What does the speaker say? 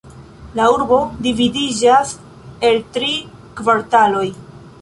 La urbo dividiĝas el tri kvartaloj.